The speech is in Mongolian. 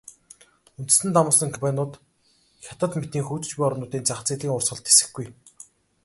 Үндэстэн дамнасан компаниуд Хятад мэтийн хөгжиж буй орнуудын зах зээлийн урсгалд тэсэхгүй.